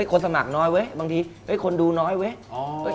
คนสมัครน้อยเว้ยบางทีคนดูน้อยเว้ย